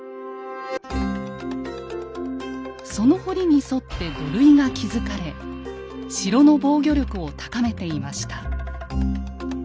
その堀に沿って土塁が築かれ城の防御力を高めていました。